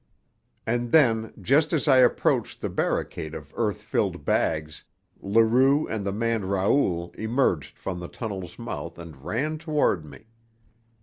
And then, just as I approached the barricade of earth filled bags, Leroux and the man Raoul emerged from the tunnel's mouth and ran toward me.